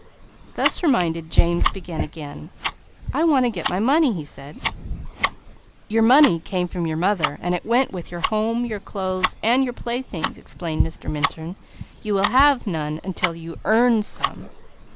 _" Thus reminded, James began again, "I want to get my money." "Your money came from your mother, so it went with your home, your clothes, and your playthings," explained Mr. Minturn. "You have none until you earn some.